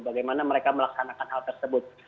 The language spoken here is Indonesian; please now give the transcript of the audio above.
bagaimana mereka melaksanakan hal tersebut